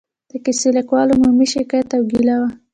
د کیسه لیکوالو عمومي شکایت او ګیله وه.